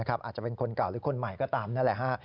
อาจจะเป็นคนเก่าหรือคนใหม่ก็ตามนั่นแหละ